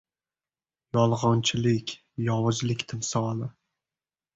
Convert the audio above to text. Yelg‘onchilik — yovuzlik timsoli.